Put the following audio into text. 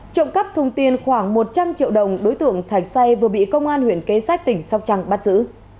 trộm cắp thùng tiền khoảng một trăm linh triệu đồng đối tượng thạch say vừa bị công an huyện kê sách tỉnh sóc trăng bắt giữ